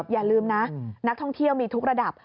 อย่าลืมนะนักท่องเที่ยวมีทุกระดับ